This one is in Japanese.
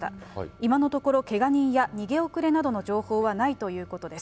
今のところ、けが人や逃げ遅れなどの情報はないということです。